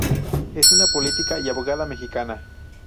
Es una política y abogada mexicana.